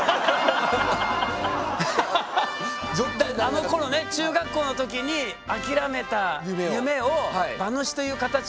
あのころね中学校の時に諦めた夢を馬主という形で。